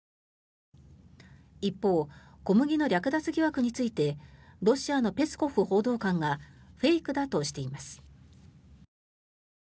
一方、小麦の略奪疑惑についてロシアのペスコフ報道官がフェイクだとしています。